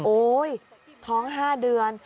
โอ๊ยท้อง๕เดือน